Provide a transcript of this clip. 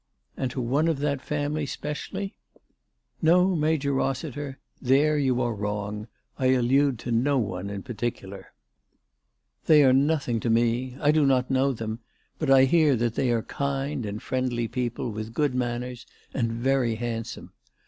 " And to one of that family specially ?" "No, Major Eossiter. There you are wrong. I 390 ALICE DUGDALE. alluded to no one in particular. They are nothing to me. I do not know them ; but I hear that they are kind and friendly people, with good manners and very handsome.